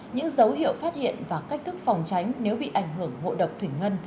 những dấu hiệu phát hiện và cách thức phòng tránh nếu bị ảnh hưởng ngộ độc thủy ngân